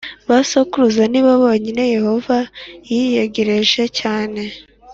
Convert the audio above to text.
Ba sokuruza ni bo bonyine Yehova yiyegereje cyane